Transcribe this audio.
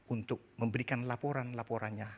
untuk memberikan laporan laporannya